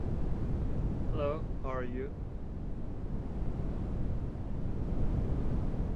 His father was also an alcoholic, who committed suicide.